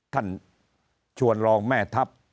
ท่านชวนรองแม่ทัพ